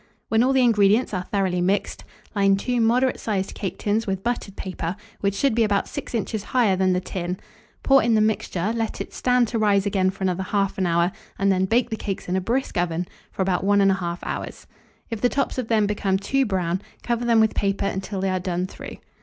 When all the ingredients are thoroughly mixed, line 2 moderate sized cake tins with buttered paper, which should be about six inches higher than the tin; pour in the mixture, let it stand to rise again for another 1/2 hour, and then bake the cakes in a brisk oven for about 1 1/2 hour. If the tops of them become too brown, cover them with paper until they are done through.